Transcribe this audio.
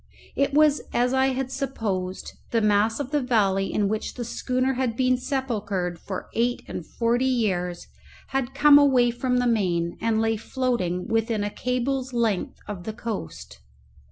It was as I had supposed: the mass of the valley in which the schooner had been sepulchred for eight and forty years had come away from the main, and lay floating within a cable's length of the coast.